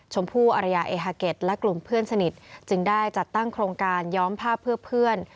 ชมพู่อรยาเอฮาเก็ตและกลุ่มเพื่อนสนิทจึงได้จัดตั้งโครงการย้อมภาพเพื่อเพื่อน